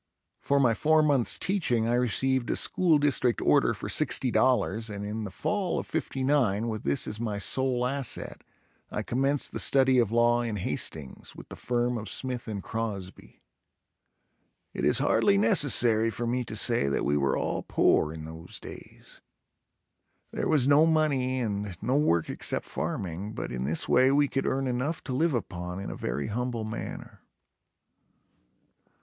For my four months teaching I received a school district order for $60.00 and in the fall of '59 with this as my sole asset, I commenced the study of law in Hastings, with the firm of Smith and Crosby. It is hardly necessary for me to say that we were all poor in those days. There was no money and no work except farming, but in this way we could earn enough to live upon in a very humble manner.